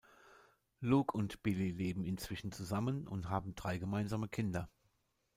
Luke und Billie leben inzwischen zusammen und haben drei gemeinsame Kinder.